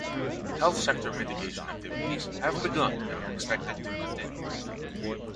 Health sector mitigation activities have begun and are expected to continue.